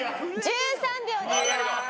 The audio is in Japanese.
１３秒です。